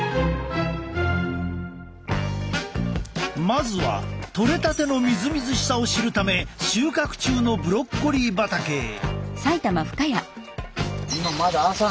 まずはとれたてのみずみずしさを知るため収穫中のブロッコリー畑へ。